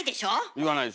言わないですよ。